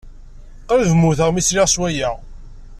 Qrib mmuteɣ mi sliɣ s waya.